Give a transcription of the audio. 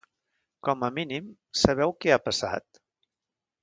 Com a mínim, sabeu què ha passat?